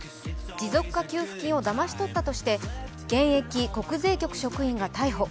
持続化給付金をだまし取ったとして現役国税局職員が逮捕。